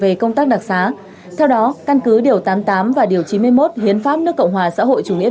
về công tác đặc xá theo đó căn cứ điều tám mươi tám và điều chín mươi một hiến pháp nước cộng hòa xã hội chủ nghĩa